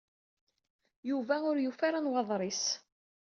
Yuba ur yufi ara nnwaḍer-is.